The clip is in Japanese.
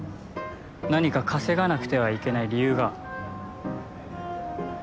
何か稼がなくてはいけない理由が？